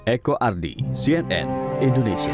eko ardi cnn indonesia